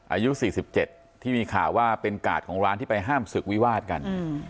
อายุ๔๗ที่มีข่าวว่าเป็นกาดของร้านที่ไปห้ามศึกวิวาดกัน